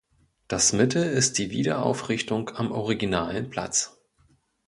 Das Mittel ist die Wiederaufrichtung am originalen Platz.